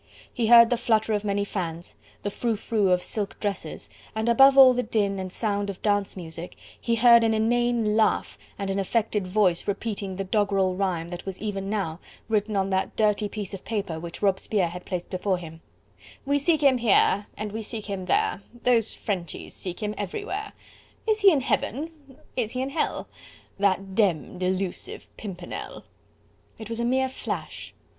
He heard the flutter of many fans, the frou frou of silk dresses, and above all the din and sound of dance music, he heard an inane laugh and an affected voice repeating the doggerel rhyme that was even now written on that dirty piece of paper which Robespierre had placed before him: "We seek him here, and we seek him there, Those Frenchies seek him everywhere! Is he in heaven, is he in hell, That demmed elusive Pimpernel?" It was a mere flash!